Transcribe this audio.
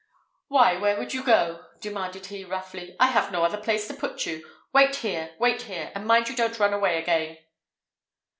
"Why, where would you go?" demanded he, roughly: "I've no other place to put you. Wait here, wait here, and mind you don't run away again."